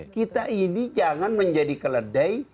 kita ini jangan menjadi keledai